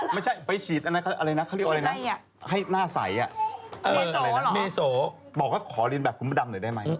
ไม่ใช่ไปฉีดอะไรนะเขาเรียกอะไรนะให้หน้าใสนะเมโสบอกว่าขอเรียนแบบคุณพระดำหน่อยได้ไหม